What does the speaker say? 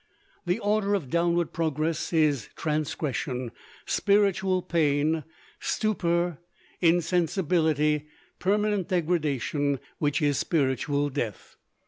The order of downward progress is, transgression, spiritual pain, stupor, insensibility, permanent degradation, which is spiritual death.